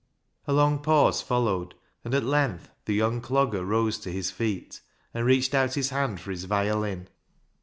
A long pause followed, and at length the young dogger rose to his feet and reached out his hand for his violin.